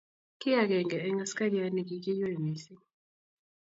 Ki agenge eng askariat nekikiywei mising.